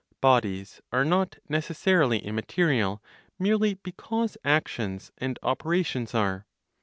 Bodies are not necessarily immaterial, merely because actions and operations are.